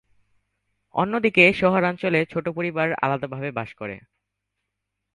অন্যদিকে শহরাঞ্চলে ছোট পরিবার আলাদাভাবে বাস করে।